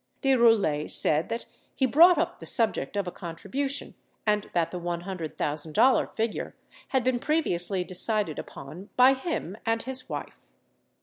De Roulet said that he brought up the subject of a contribution and that the $100,000 figure had been pre viously decided upon by him and his wife.